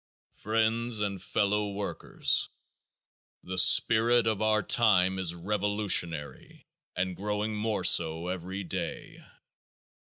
Friends and Fellow Workers: The spirit of our time is revolutionary and growing, more so every day.